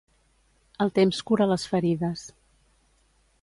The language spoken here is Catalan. El temps cura les ferides.